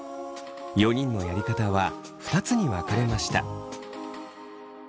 ４人のやり方は２つに分かれました。